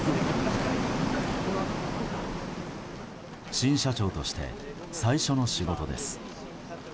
新社長として最初の仕事です。